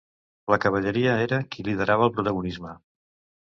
La cavalleria era qui liderava el protagonisme.